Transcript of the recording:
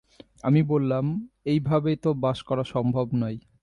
আমি বললাম, এইভাবে তো বাস করা সম্ভব নয়।